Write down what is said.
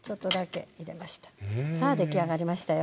さあ出来上がりましたよ。